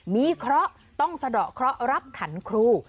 มีเคราะห์ต้องสะดอกเคราะห์รับขันครู